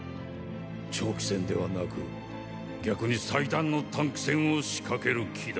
長期戦ではなく逆に最短の短期戦をしかける気だ。